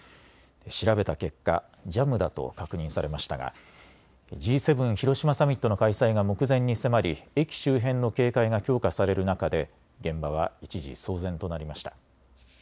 調べた結果、ジャムだと確認されましたがＧ７広島サミットの開催が目前に迫り駅周辺の警戒が強化される中で現場は一時騒然となりました。